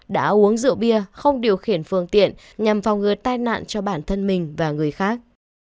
đã uống rượu bia không điều khiển phương tiện nhằm phòng ngừa tai nạn cho bản thân mình và người khác